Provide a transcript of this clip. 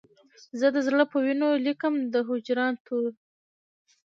زه د زړه په وینو لیکم د هجران د توري